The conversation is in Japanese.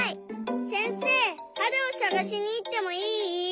せんせいはるをさがしにいってもいい？